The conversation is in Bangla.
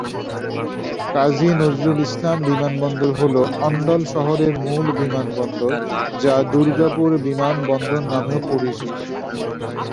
কাজী নজরুল ইসলাম বিমানবন্দর হল অণ্ডাল শহরের মূল বিমানবন্দর, যা দুর্গাপুর বিমানবন্দর নামেও পরিচিত।